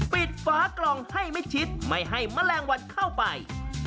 ปิดฟ้ากล่องให้ไม่ชิดไม่ให้แมลงวัดเข้าไป